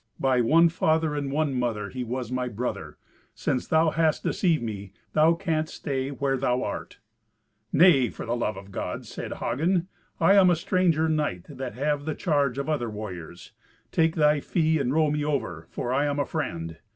By one father and one mother he was my brother. Since thou hast deceived me, thou canst stay where thou art." "Nay, for the love of God," said Hagen. "I am a stranger knight that have the charge of other warriors. Take thy fee and row me over, for I am a friend."